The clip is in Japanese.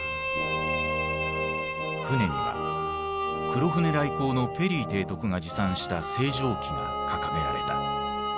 船には黒船来航のペリー提督が持参した星条旗が掲げられた。